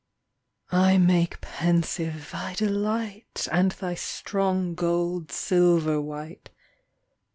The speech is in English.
I make pensive thy delight, And thy strong gold silver white.